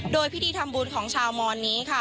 โดยพิธีทำบุญของชาวมอนนี้ค่ะ